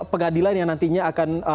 pengadilan yang nantinya akan